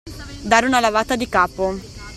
Dare una lavata di capo.